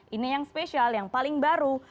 ini yang spesial yang paling baru